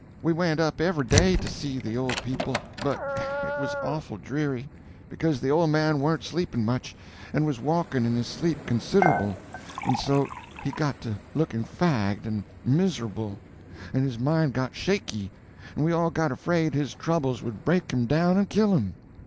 We went up every day to see the old people, but it was awful dreary, because the old man warn't sleeping much, and was walking in his sleep considerable and so he got to looking fagged and miserable, and his mind got shaky, and we all got afraid his troubles would break him down and kill him.